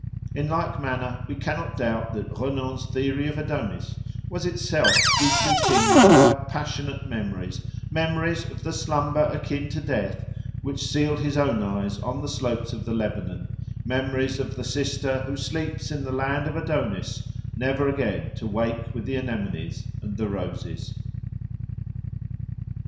In like manner we cannot doubt that Renan's theory of Adonis was itself deeply tinged by passionate memories, memories of the slumber akin to death which sealed his own eyes on the slopes of the Lebanon, memories of the sister who sleeps in the land of Adonis never again to wake with the anemones and the roses.